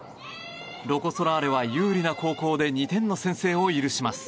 ロコ・ソラーレは有利な後攻で２点の先制を許します。